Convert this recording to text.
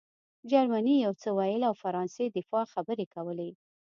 جرمني یو څه ویل او فرانسې د دفاع خبرې کولې